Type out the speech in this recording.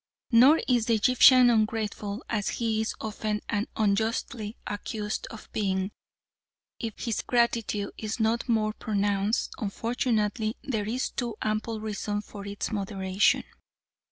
Nor is the Egyptian ungrateful, as he is often and unjustly accused of being. If his gratitude is not more pronounced, unfortunately there is too ample reason for its moderation.